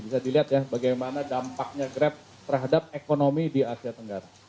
bisa dilihat ya bagaimana dampaknya grab terhadap ekonomi di asia tenggara